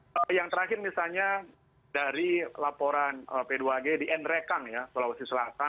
nah yang terakhir misalnya dari laporan p dua g di nrekang ya sulawesi selatan